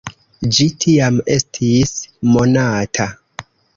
Ĝi tiam estis monata.